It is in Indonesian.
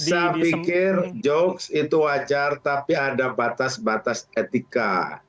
saya pikir jokes itu wajar tapi ada batas batas etika